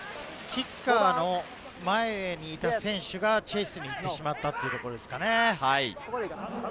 キッカーの前にいた選手がチェイスに行ってしまったというところですかね。